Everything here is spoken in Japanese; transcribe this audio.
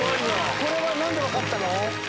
これは何で分かったの？